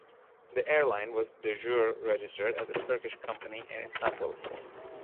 The airline was "de jure" registered as a Turkish company in Istanbul.